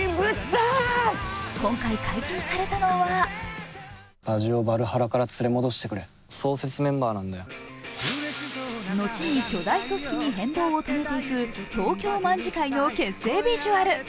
今回解禁されたのは後に巨大組織に変貌を遂げていく東京卍會の結成ビジュアル。